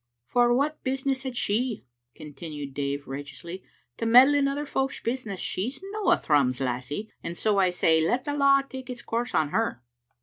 "For what business had she," continued Dave right eously, " to meddle in other folks' business? She's no a Thrums lassie, and so I say, 'Let the law take its course on her.